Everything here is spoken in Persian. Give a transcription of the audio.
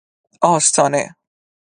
آستانه